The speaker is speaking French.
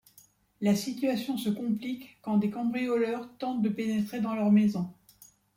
La situation se complique quand des cambrioleurs tentent de pénétrer dans leur maison.